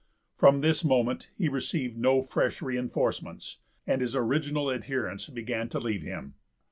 From this moment he received no fresh reinforcements, and his original adherents began to leave him.